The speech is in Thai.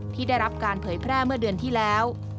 ที่ได้รับการเผยแพร่เมื่อเดือนที่แล้ว